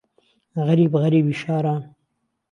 غەریب غەریبی شاران